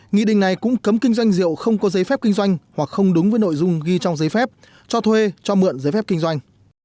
nghị định này cũng cấm kinh doanh rượu không có giấy phép kinh doanh hoặc không đúng với nội dung ghi trong giấy phép cho thuê cho mượn giấy phép kinh doanh